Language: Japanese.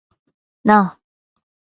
なあ